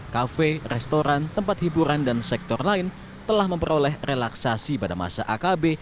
kafe restoran tempat hiburan dan sektor lain telah memperoleh relaksasi pada masa akb